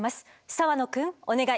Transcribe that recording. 澤野くんお願い。